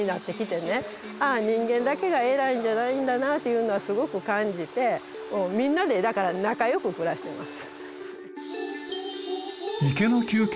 人間だけが偉いんじゃないんだなっていうのをすごく感じてみんなでだから仲良く暮らしてます。